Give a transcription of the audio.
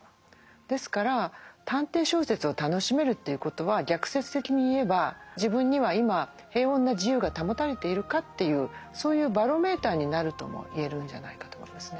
ですから探偵小説を楽しめるということは逆説的に言えば自分には今平穏な自由が保たれているかというそういうバロメーターになるとも言えるんじゃないかと思いますね。